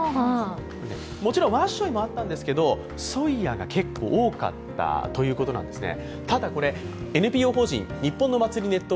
もちろん、ワッショイもあったんですけど、ソイヤが結構多かったということなんですね。